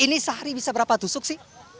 ini sehari bisa berapa tusuk sih